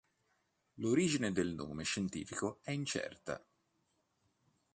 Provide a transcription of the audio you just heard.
L'origine del nome scientifico è incerta.